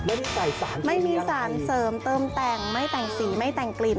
ไม่ได้ใส่สารเสริมยังไงไม่มีสารเสริมเติมแต่งไม่แต่งสีไม่แต่งกลิ่น